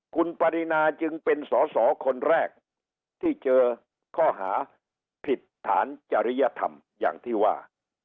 คุณปรินาจึงเป็นสอสอคนแรกที่เจอข้อหาผิดฐานจริยธรรมอย่างที่ว่า